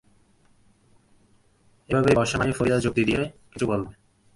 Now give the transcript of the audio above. এভাবে বসা মানেই, ফরিদা যুক্তি দিয়ে কিছু বলবে।